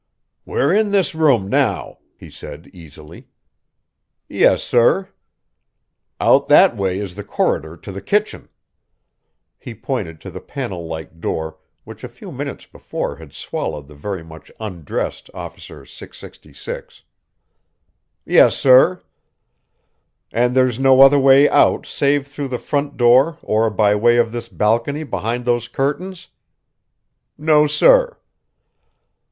"We're in this room now," he said, easily. "Yes, sir." "Out that way is the corridor to the kitchen." He pointed to the panel like door which a few minutes before had swallowed the very much undressed Officer 666. "Yes, sir." "And there's no other way out save through the front door or by way of this balcony behind those curtains?" "No, sir."